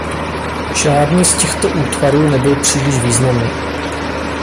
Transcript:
Žádný z těchto útvarů nebyl příliš významný.